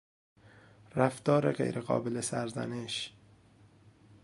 رفتار غیرقابل سرزنش